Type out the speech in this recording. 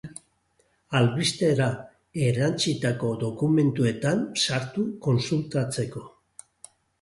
Albistera erantsitako dokumentuetan sartu kontsultatzeko.